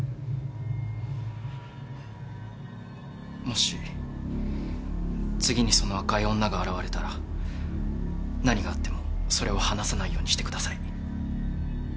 もし次にその赤い女が現れたら何があってもそれを離さないようにしてください。